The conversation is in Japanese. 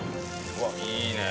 うわっいいね。